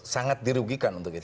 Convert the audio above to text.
sangat dirugikan untuk itu